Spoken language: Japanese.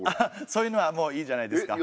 そういうのはもういいじゃないですか。